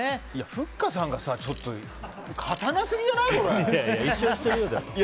ふっかさんがちょっと勝たなすぎじゃない？